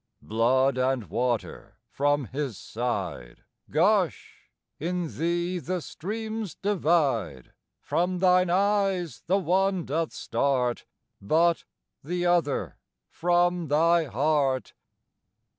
Blood and water from His side Gush; in thee the streams divide: From thine eyes the one doth start, But the other from thy heart.